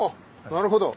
なるほど。